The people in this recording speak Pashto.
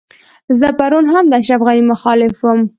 زه پرون هم د اشرف غني مخالف وم.